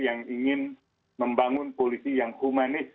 yang ingin membangun polisi yang humanis